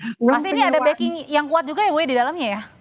pasti ini ada backing yang kuat juga ya bu ya di dalamnya ya